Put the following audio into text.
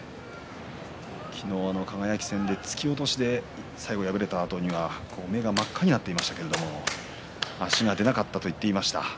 昨日、輝戦、突き落としで最後敗れたあと目が真っ赤になっていましたけれども足が出なかったと言っていました。